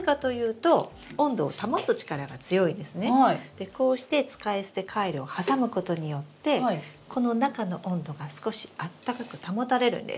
でこうして使い捨てカイロを挟むことによってこの中の温度が少しあったかく保たれるんです。